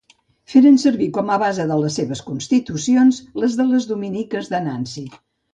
Feren servir com a base de les seves constitucions les de les Dominiques de Nancy.